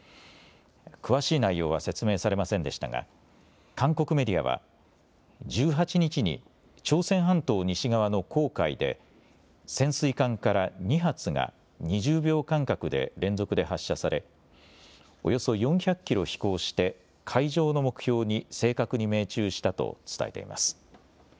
詳しい内容は説明されませんでしたが、韓国メディアは１８日に朝鮮半島西側の黄海で潜水艦から２発が２０秒間隔で連続で発射されおよそ４００キロ飛行して海上の目標に正確に命中したと伝えています。